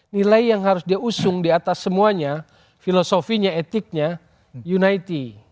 nilai yang harus dia usung di atas semuanya filosofinya etiknya united